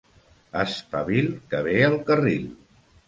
Espavil, que ve el carril!